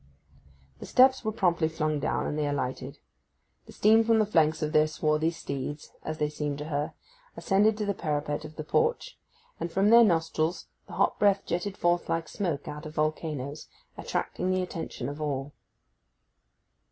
The steps were promptly flung down, and they alighted. The steam from the flanks of their swarthy steeds, as they seemed to her, ascended to the parapet of the porch, and from their nostrils the hot breath jetted forth like smoke out of volcanoes, attracting the attention of all.